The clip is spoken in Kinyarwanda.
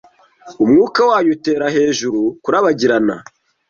Umwuka wayo utera ijuru kurabagirana